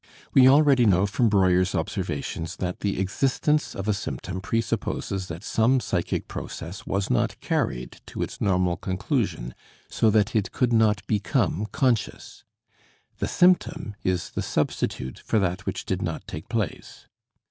We already know from Breuer's observations that the existence of a symptom presupposes that some psychic process was not carried to its normal conclusion, so that it could not become conscious. The symptom is the substitute for that which did not take place.